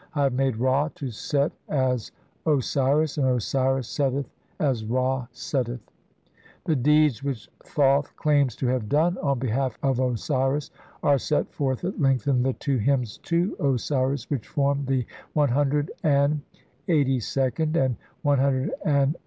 I have "made Ra to set as Osiris, and Osiris setteth as Ra "setteth". The deeds which Thoth claims to have done on behalf of Osiris are set forth at length in the two hymns to Osiris which form the CLXXXIInd and CLXXXIIIrd Chapters (see p.